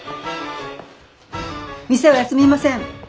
店は休みません。